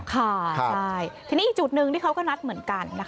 ค่ะใช่ทีนี้อีกจุดหนึ่งที่เขาก็นัดเหมือนกันนะคะ